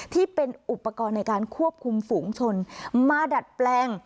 ที่เป็นอุปกรณ์ในการควบคุมฝูงชนมาดัดแปลง